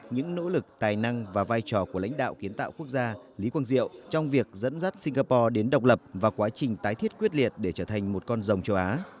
những nỗ lực tài năng và vai trò của lãnh đạo kiến tạo quốc gia lý quang diệu trong việc dẫn dắt singapore đến độc lập và quá trình tái thiết quyết liệt để trở thành một con rồng châu á